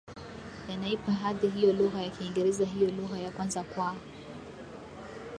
yanaipa hadhi hiyo lugha ya Kiingereza iliyo lugha ya kwanza kwa